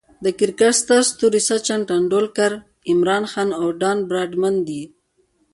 د کرکټ ستر ستوري سچن ټندولکر، عمران خان، او ډان براډمن دي.